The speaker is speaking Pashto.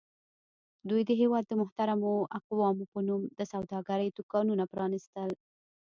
دوی د هېواد د محترمو اقوامو په نوم د سوداګرۍ دوکانونه پرانیستل.